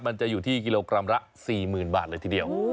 มันจะอยู่ที่กิโลกรัมละ๔๐๐๐บาทเลยทีเดียว